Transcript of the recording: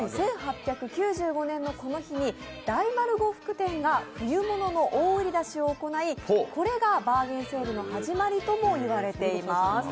１８９５年のこの日に大丸呉服店が冬物の大売り出しを行い、これがバーゲンセールの始まりだといわれています。